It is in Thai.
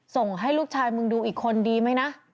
ส่งให้ลูกชายมึงดูอีกคนดีไหมนะ